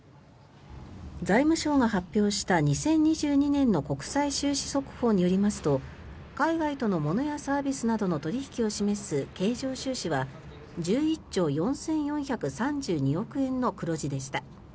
財務省が発表した２０２２年の国際収支速報によりますと海外との物やサービスなどの取引を示す経常収支は１１兆４４３２億円の黒字でした。